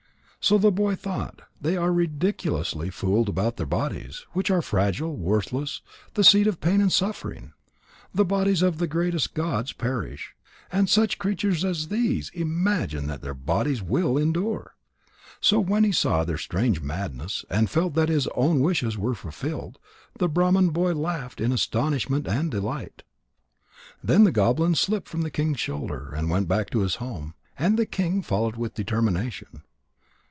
So the boy thought: They are ridiculously fooled about their bodies, which are fragile, worthless, the seat of pain and suffering. The bodies of the greatest gods perish. And such creatures as these imagine that their bodies will endure!' So when he saw their strange madness, and felt that his own wishes were fulfilled, the Brahman boy laughed in astonishment and delight." Then the goblin slipped from the king's shoulder and went back to his home. And the king followed with determination.